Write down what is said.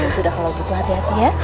sudah kalau butuh hati hati ya